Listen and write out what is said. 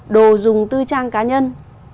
đồ dùng tư trang cá nhân